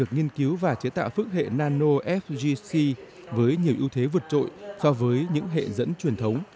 nghiên cứu và chế tạo phước hệ nano fgc với nhiều ưu thế vượt trội so với những hệ dẫn truyền thống